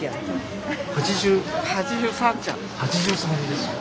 ８３ですか。